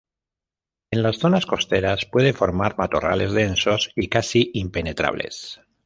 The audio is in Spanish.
En las zonas costeras, puede formar matorrales densos y casi impenetrables.